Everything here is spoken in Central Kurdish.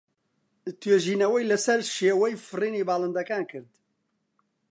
توێژینەوەی لەسەر شێوەی فڕینی باڵندەکان کرد.